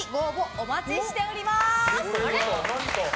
お待ちしております。